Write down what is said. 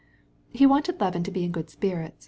He wanted Levin to be in good spirits.